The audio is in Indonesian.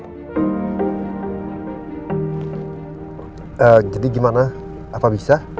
hmm jadi gimana apa bisa